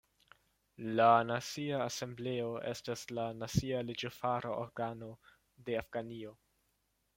La Nacia Asembleo estas la nacia leĝofara organo de Afganio.